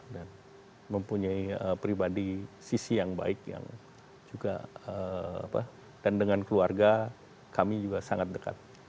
dan mempunyai pribadi sisi yang baik yang juga apa dan dengan keluarga kami juga sangat dekat